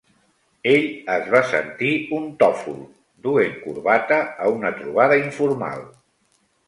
Ell es va sentir un tòfol duent corbata a una trobada informal.